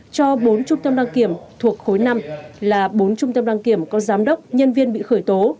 cho bốn trung tâm đăng kiểm thuộc khối năm là bốn trung tâm đăng kiểm có giám đốc nhân viên bị khởi tố